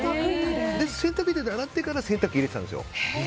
洗濯板で洗ってから洗濯機に入れてたんですよ。